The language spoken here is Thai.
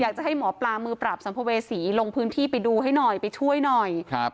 อยากจะให้หมอปลามือปราบสัมภเวษีลงพื้นที่ไปดูให้หน่อยไปช่วยหน่อยครับ